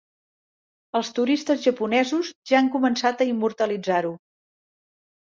Els turistes japonesos ja han començat a immortalitzar-ho.